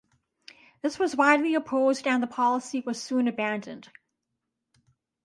This was widely opposed and the policy was soon abandoned.